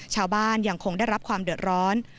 ชาวบ้านยังคงได้รับความเดือดร้อน